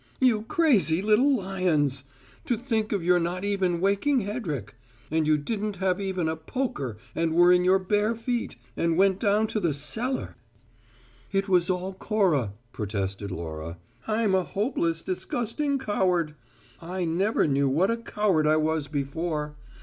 "You crazy little lions! To think of your not even waking Hedrick! And you didn't have even a poker and were in your bare feet and went down in the cellar " "It was all Cora," protested Laura. "I'm a hopeless, disgusting coward. I never knew what a coward I was before.